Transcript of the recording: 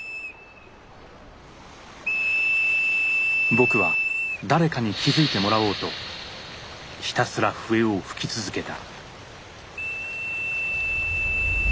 僕は誰かに気づいてもらおうとひたすら笛を吹き続けた。